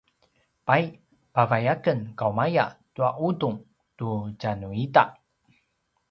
pay pavai aken kaumaya tua ’udung tu tjanuita!